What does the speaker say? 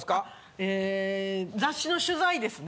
ええ雑誌の取材ですね。